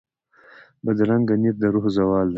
بدرنګه نیت د روح زوال وي